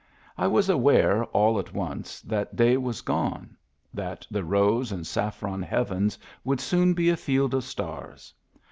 I was aware all at once that day was gone, that the rose and saffron heavens would soon be a field of stars.